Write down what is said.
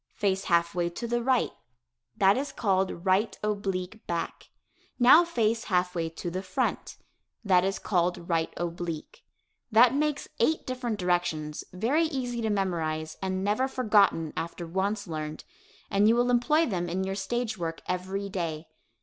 Face half way to the right that is called "right oblique back." Now face half way to the front. That is called "right oblique." That makes eight different directions, very easy to memorize and never forgotten after once learned, and you will employ them in your stage work every day.